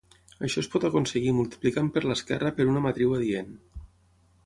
Això es pot aconseguir multiplicant per l'esquerra per una matriu adient.